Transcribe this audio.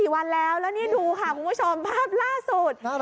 ๔วันแล้วแล้วนี่ดูค่ะคุณผู้ชมภาพล่าสุด